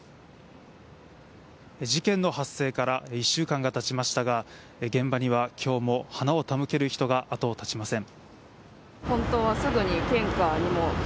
事件の発生から１週間がたちましたが現場には今日も花を手向ける人が後を絶ちません。